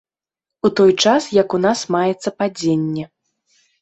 У той час як у нас маецца падзенне.